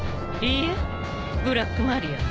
いいえブラックマリア。